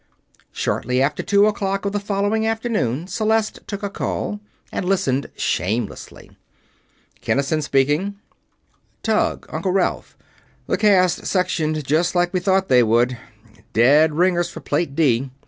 Shortly after two o'clock of the following afternoon, Celeste took a call; and listened shamelessly. "Kinnison speaking." "Tug, Uncle Ralph. The casts sectioned just like we thought they would. Dead ringers for Plate D.